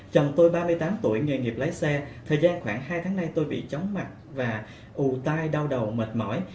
chồng tôi ba mươi tám tuổi nghề nghiệp lái xe thời gian khoảng hai tháng nay tôi bị chóng mặt và ù tai đau đầu mệt mỏi